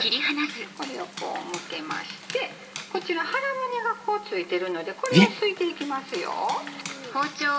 これをこう向けましてこちら腹骨がこう付いてるのでこれをすいていきますよ。